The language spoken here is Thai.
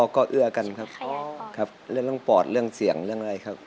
ก็เอื้อกันครับครับเรื่องเรื่องปอดเรื่องเสี่ยงเรื่องอะไรครับ